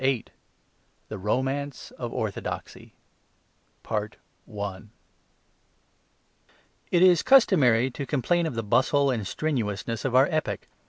VIII THE ROMANCE OF ORTHODOXY It is customary to complain of the bustle and strenuousness of our epoch.